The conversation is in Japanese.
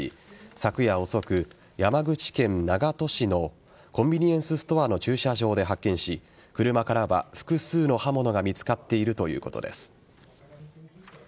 昨夜遅く、山口県長門市のコンビニエンスストアの駐車場で発見し車からは複数の刃物が見つかっているということです。